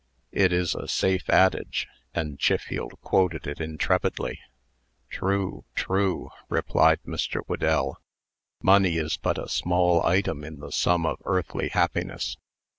It is a safe adage, and Chiffield quoted it intrepidly. "True true!" replied Mr. Whedell. "Money is but a small item in the sum of earthly happiness.